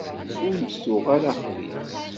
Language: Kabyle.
Ur d-tuɣ ara axbiz.